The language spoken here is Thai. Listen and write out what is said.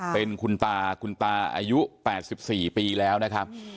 เป็นคุณตาคุณตาอายุ๘๔ปีแล้วนะครับ